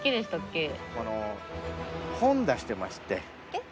えっ？